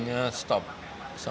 yang pertama kesepakatan yang lainnya